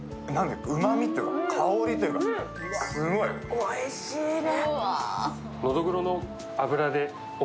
おいしいね。